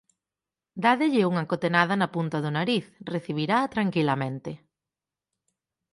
Dádelle unha cotenada na punta do nariz, recibiraa tranquilamente.